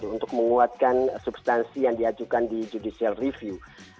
untuk menguatkan substansi yang diajukan di judicial review